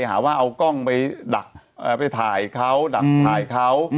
หาว่าเอากล้องไปดักไปถ่ายเขาดักถ่ายเขา